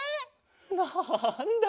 なんだ！